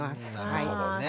なるほどね。